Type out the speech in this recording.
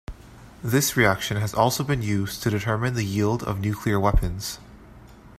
This reaction has also been used to determine the yield of nuclear weapons.